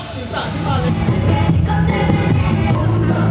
กับแรกดีการของโป๊บเต้นนะ